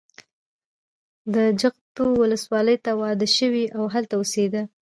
د جغتو ولسوالۍ ته واده شوې وه او هلته اوسېده.